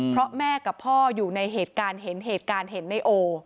เพราะแม่กับพ่ออยู่ในเหตุการณ์เห็นเหตุการณ์เห็นในโอ